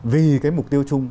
vì cái mục tiêu chung